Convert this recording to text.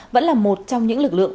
vẫn là một trong những lực lượng